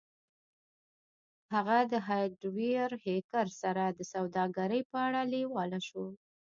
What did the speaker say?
هغه د هارډویر هیکر سره د سوداګرۍ په اړه لیواله شو